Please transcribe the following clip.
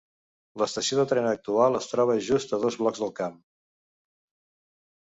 L"estació de tren actual es troba just a dos blocs del camp.